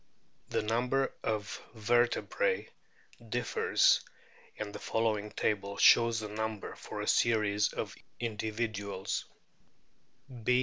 The number of vertebrae differs, and the follow RORQUALS 147 ing table shows the numbers for a series of individuals : B.